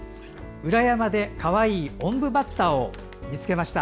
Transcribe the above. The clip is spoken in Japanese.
裏山で、かわいいオンブバッタを見つけました。